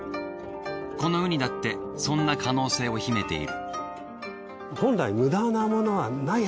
このウニだってそんな可能性を秘めている。